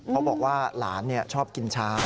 เขาบอกว่าหลานชอบกินชา